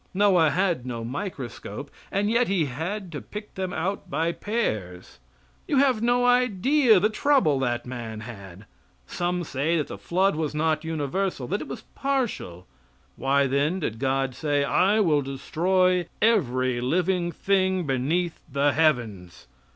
Noah had no microscope, and yet he had pick them out by pairs. You have no idea the trouble that man had. Some say that the flood was not universal, that it was partial. Why then did God say "I will destroy every living thing beneath the heavens."